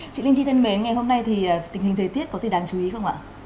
chị linh chi thân mến ngày hôm nay thì tình hình thời tiết có gì đáng chú ý không ạ